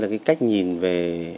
là một cái cách nhìn về